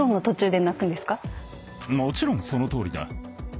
もちろんそのとおりだ。